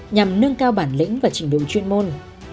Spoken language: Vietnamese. nhằm nâng cao bản lĩnh và trình độ chuyên môn